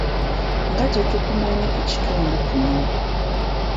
Nga tetukumanyi ku kitundu kuno?